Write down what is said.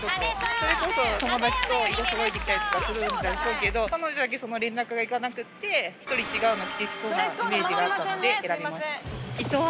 それこそ友達と色そろえてきたりとかするんでしょうけど、彼女だけその連絡がいかなくて、１人違う着てきそうなイメージがあったので選びました。